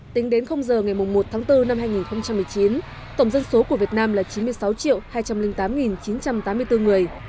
tính đến giờ ngày một tháng bốn năm hai nghìn một mươi chín tổng dân số của việt nam là chín mươi sáu hai trăm linh tám chín trăm tám mươi bốn người